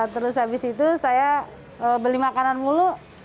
terus habis itu saya beli makanan mulu